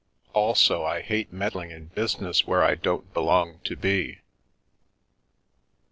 Also, I hate med dling in business where I don't belong to be.